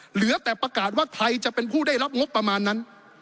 เหลือแต่ประกาศว่าใครจะเป็นผู้ได้รับงบประมาณนั้น